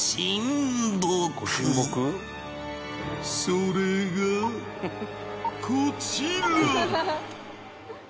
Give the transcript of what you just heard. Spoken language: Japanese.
それがこちら